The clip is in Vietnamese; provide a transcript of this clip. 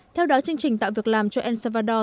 theo đó chương trình tạo việc làm cho el salvador